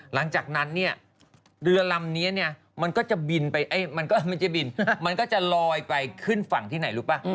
หลังจากนั้นเรือลำนี้มันก็จะลอยไปขึ้นฝั่งที่ไหนรู้ป่ะ